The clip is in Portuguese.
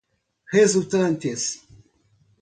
resultantes